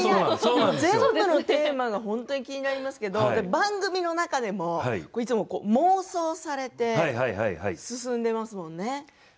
全部のテーマが気になりますけど番組の中でもいつも妄想されて進んでますものね。